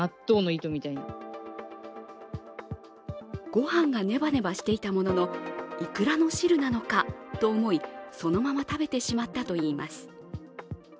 ご飯がネバネバしていたものの、いくらの汁なのかと思い、そのまま食べてしまったといいます。